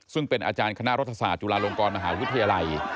ซึ่งเป็นอาจารย์คณะรัฐศาสตร์จุฬาลงกรมหาวิทยาลัย